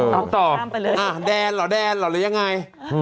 หลับต่ออ่ะแดนเหรอหรือยังไง